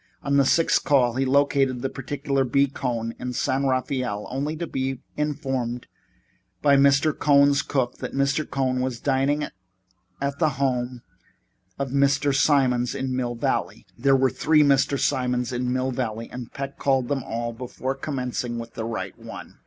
On the sixth call he located the particular B. Cohn in San Rafael, only to be informed by Mr. Cohn's cook that Mr. Cohn was dining at the home of a Mr. Simons in Mill Valley. There were three Mr. Simons in Mill Valley, and Peck called them all before connecting with the right one.